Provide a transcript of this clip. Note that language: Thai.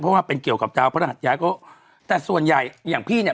เพราะว่าเป็นเกี่ยวกับดาวพระรหัสย้ายก็แต่ส่วนใหญ่อย่างพี่เนี่ย